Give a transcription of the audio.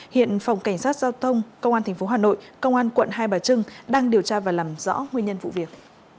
hiện phòng cảnh sát giao thông công an tp hà nội công an quận hai bà trưng đang điều tra và làm rõ nguyên nhân vụ việc